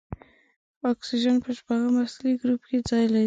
اکسیجن په شپږم اصلي ګروپ کې ځای لري.